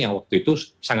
yang waktu itu